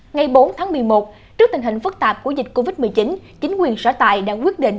ngày bốn tháng một mươi một trước tình hình phức tạp của dịch covid một mươi chín chính quyền sở tại đã quyết định